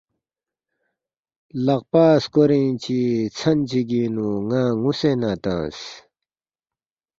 لقپہ سکورین چی ژھن چگینگ نو نا نوسے نہ تنگس